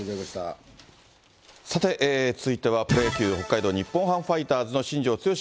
さて、続いてはプロ野球・北海道日本ハムファイターズの新庄剛志